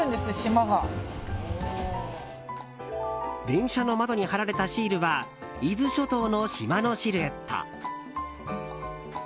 電車の窓に貼られたシールは伊豆諸島の島のシルエット。